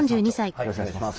よろしくお願いします。